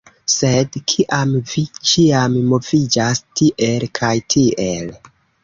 Sed kiam vi ĉiam moviĝas tiel kaj tiel